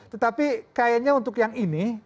tetapi kayaknya untuk yang ini